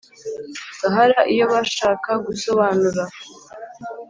Sahara iyo bashaka gusobanura